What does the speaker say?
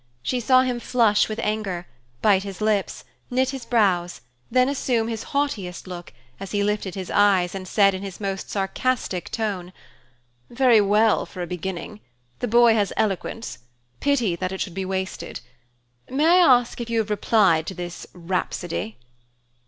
She saw him flush with anger, bite his lips, and knit his brows, then assume his haughtiest look, as he lifted his eyes and said in his most sarcastic tone, "Very well for a beginning. The boy has eloquence. Pity that it should be wasted. May I ask if you have replied to this rhapsody?"